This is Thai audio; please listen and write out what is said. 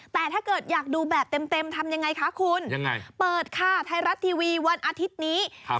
แต่ถ้าเกิดอยากดูแบบเต็มทำยังไงคะคุณยังไงเปิดค่ะไทยรัฐทีวีวันอาทิตย์นี้ครับ